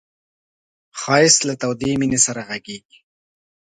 ښایست له تودې مینې سره غږېږي